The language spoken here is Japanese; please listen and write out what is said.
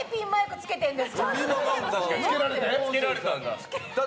つけられたんだ。